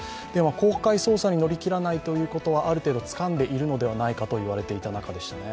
公開捜査に乗り切らないということは、ある程度つかんでいるのではないかと言われていた中でしたね。